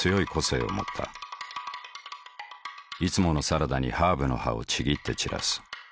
いつものサラダにハーブの葉をちぎって散らす。